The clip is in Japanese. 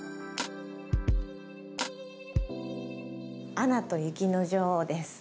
「アナと雪の女王」です